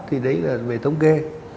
thì đấy là về thống kê